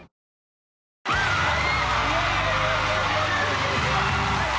いやいや。